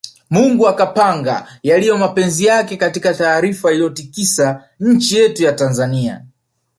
Mungu akapanga yaliyo mapenzi yake Katika taarifa iliyotikisa nchi yetu ya Tanzania